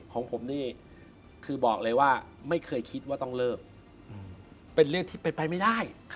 ของผมนี่คือบอกเลยว่าไม่เคยคิดว่าต้องเลิกเป็นเรื่องที่เป็นไปไม่ได้